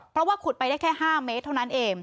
เพราะว่าขุดไปได้แค่๕เมตรเท่านั้นเอง